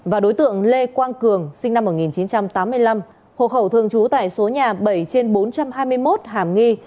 và đối tượng lê quang cường sinh năm một nghìn chín trăm tám mươi năm hộ khẩu thường trú tại số nhà bảy trên bốn trăm hai mươi một hàm nghi